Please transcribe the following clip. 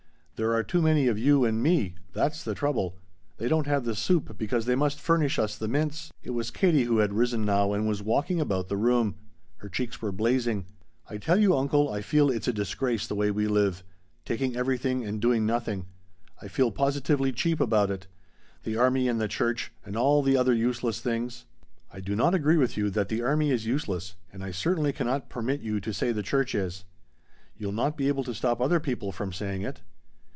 There are too many of you and me that's the trouble. They don't have the soup because they must furnish us the mints." It was Katie who had risen now and was walking about the room. Her cheeks were blazing. "I tell you, uncle, I feel it's a disgrace the way we live taking everything and doing nothing. I feel positively cheap about it. The army and the church and all the other useless things " "I do not agree with you that the army is useless and I certainly cannot permit you to say the church is." "You'll not be able to stop other people from saying it!"